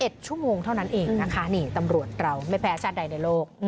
ชั่วโมงเท่านั้นเองนะคะนี่ตำรวจเราไม่แพ้ชาติใดในโลก